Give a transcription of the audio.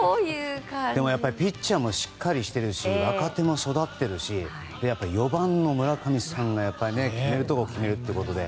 でも、ピッチャーもしっかりしてるし若手も育ってるしやっぱり４番の村上さんが決めるところを決めるということで。